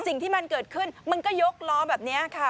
สิ่งที่มันเกิดขึ้นมันก็ยกล้อแบบนี้ค่ะ